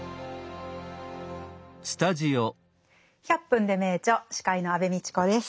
「１００分ｄｅ名著」司会の安部みちこです。